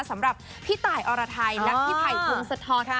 สำหรับพี่ตายอรทัยและพี่ไผ่คุณสะท้อน